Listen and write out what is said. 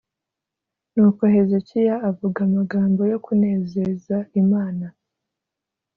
Nuko Hezekiya avuga amagambo yo kunezeza Imana.